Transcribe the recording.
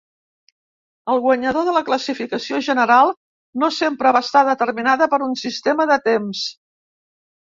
El guanyador de la classificació general no sempre va estar determinada per un sistema de temps.